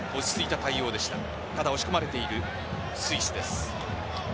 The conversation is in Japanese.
ただ押し込まれているスイスです。